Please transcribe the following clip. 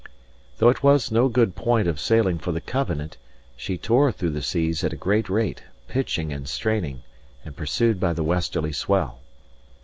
Though it was no good point of sailing for the Covenant, she tore through the seas at a great rate, pitching and straining, and pursued by the westerly swell.